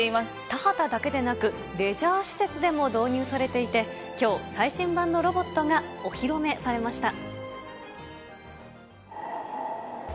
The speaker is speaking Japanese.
田畑だけでなく、レジャー施設でも導入されていて、きょう、最新版のロボットがお披露目されました。